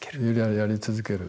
やり続ける。